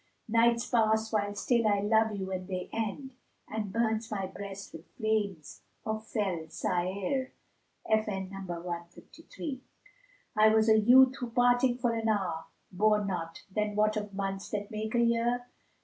Nights pass while still I love you and they end, * And burns my breast with flames of fell Sa'ir;[FN#153] I was a youth who parting for an hour * Bore not, then what of months that make a year?